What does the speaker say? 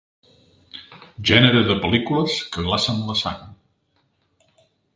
Gènere de pel·lícules que glacen la sang.